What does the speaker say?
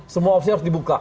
semua opsi harus dibuka